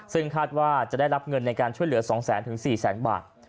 ซึ่งคาดว่าจะได้รับเงินในการช่วยเหลือ๒๐๐๐๐๐๔๐๐๐๐๐บาท